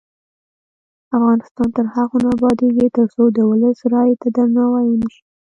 افغانستان تر هغو نه ابادیږي، ترڅو د ولس رایې ته درناوی ونشي.